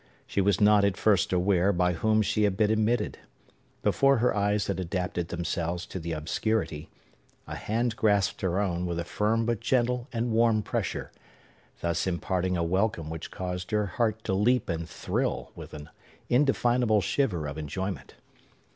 She was not at first aware by whom she had been admitted. Before her eyes had adapted themselves to the obscurity, a hand grasped her own with a firm but gentle and warm pressure, thus imparting a welcome which caused her heart to leap and thrill with an indefinable shiver of enjoyment.